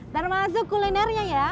termasuk kulinernya ya